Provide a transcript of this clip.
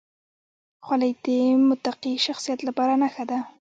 خولۍ د متقي شخصیت لپاره نښه ده.